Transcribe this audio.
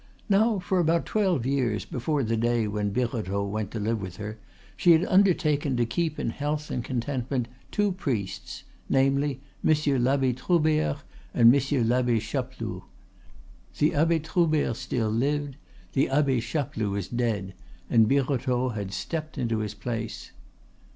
Now, for about twelve years before the day when Birotteau went to live with her she had undertaken to keep in health and contentment two priests; namely, Monsieur l'Abbe Troubert and Monsieur l'Abbe Chapeloud. The Abbe Troubert still lived. The Abbe Chapeloud was dead; and Birotteau had stepped into his place.